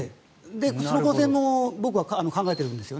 その可能性も僕は考えているんです。